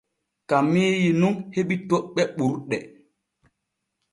Kamiiyi nun heɓi toɓɓe ɓurɗe.